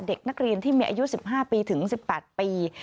เด็กนักเรียนที่มีอายุ๑๕ปีถึง๑๘ปี